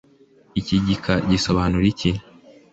iki gika gisobanura iki?